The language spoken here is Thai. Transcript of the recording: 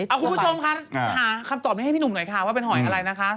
คุณผู้ชมคะหาคำตอบนี้ให้พี่หนุ่มหน่อยค่ะว่าเป็นหอยอะไรนะคะ